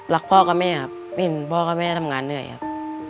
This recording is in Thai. รักพ่อกับแม่ครับเพราะว่าพ่อกับแม่ทำงานเหนื่อยครับ